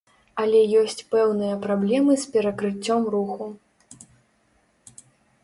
Але ёсць пэўныя праблемы з перакрыццём руху.